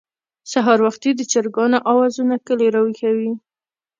سهار وختي د چرګانو اوازونه کلى راويښوي.